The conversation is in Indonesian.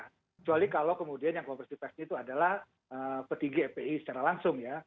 kecuali kalau kemudian yang konferensi pers itu adalah peti gfi secara langsung ya